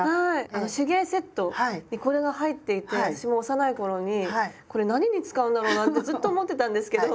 あの手芸セットにこれが入っていて私も幼い頃に「これ何に使うんだろうな」ってずっと思ってたんですけど。